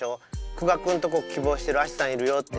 久我君とこ希望してるアシさんいるよって。